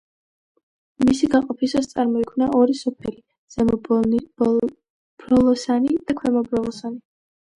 მისი გაყოფისას წარმოიქმნა ორი სოფელი ზემო ბროლოსანი და ქვემო ბროლოსანი.